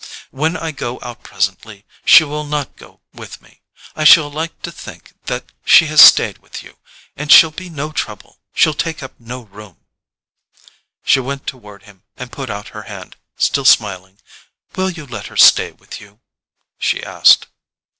When I go out presently she will not go with me. I shall like to think that she has stayed with you—and she'll be no trouble, she'll take up no room." She went toward him, and put out her hand, still smiling. "Will you let her stay with you?" she asked.